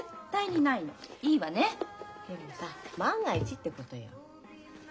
でもさ万が一ってことよ。